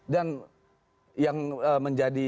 dan yang menjadi